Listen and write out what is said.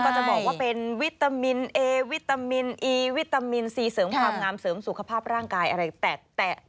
จะบอกว่าเป็นวิตามินเอวิตามินอีวิตามินซีเสริมความงามเสริมสุขภาพร่างกายอะไรแตกแตะ